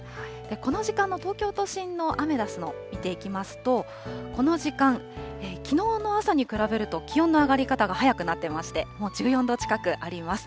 この時間の東京都心のアメダスを見ていきますと、この時間、きのうの朝に比べると気温の上がり方が早くなってまして、もう１４度近くあります。